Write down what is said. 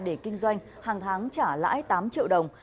để kinh doanh hàng tháng trả lãi tám triệu đồng